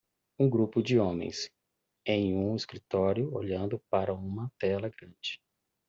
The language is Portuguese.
Um grupo de homens em um escritório olhando para uma tela grande.